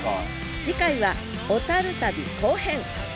次回は小旅後編！